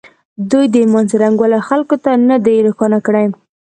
دوی د ایمان څرنګوالی خلکو ته نه دی روښانه کړی